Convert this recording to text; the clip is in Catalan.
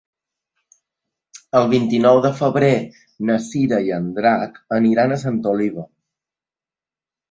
El vint-i-nou de febrer na Cira i en Drac aniran a Santa Oliva.